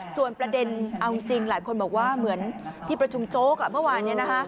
ส่วนประเด็นเอาจริงหลายคนบอกว่าเหมือนที่ประชุมโจ๊กเมื่อวาน